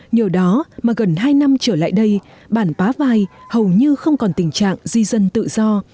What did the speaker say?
nhưng không còn tình trạng di dân tự do